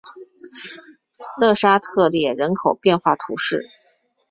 勒沙特列人口变化图示